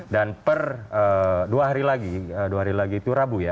dan per dua hari lagi dua hari lagi itu rabu ya